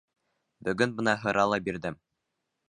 — Бөгөн бына һыра ла бирҙе.